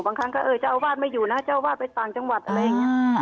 บางครั้งก็เออเจ้าอาวาสไม่อยู่นะเจ้าวาดไปต่างจังหวัดอะไรอย่างนี้